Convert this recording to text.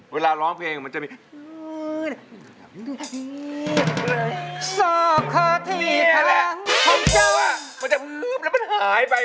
ร้องเพลงมันจะมี